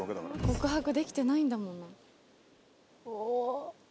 告白できてないんだもんな。